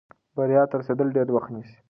بریا ته رسېدل ډېر وخت نیسي.